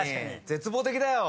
絶望的だよ。